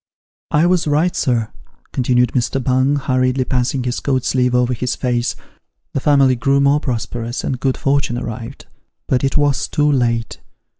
" I was right, sir," continued Mr. Bung, hurriedly passing his coat sleeve over his face ;" the family grew more prosperous, and good fortune arrived. But it was too late.